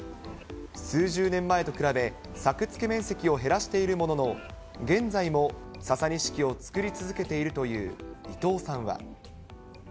数十年前と比べ、作付面積を減らしているものの、現在もササニシキを作り続けているという伊藤さんは。